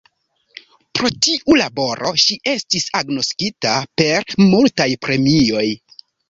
Pro tiu laboro ŝi estis agnoskita per multaj premioj.